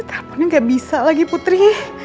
kapannya gak bisa lagi putri